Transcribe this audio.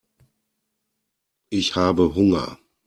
Ich habe Hunger.